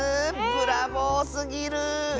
ブラボーすぎる！